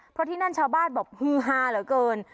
เพราะที่นั่นชาวบ้านบอกฮือฮาเหลือเกิน